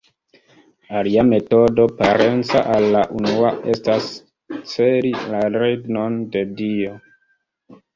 Alia metodo, parenca al la unua, estas celi la regnon de Dio.